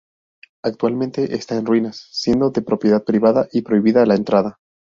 Actualmente está en ruinas, siendo de propiedad privada y prohibida la entrada.